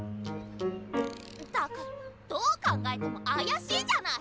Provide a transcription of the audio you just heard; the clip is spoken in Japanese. ったくどう考えても怪しいじゃない！